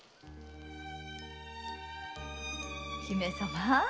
姫様。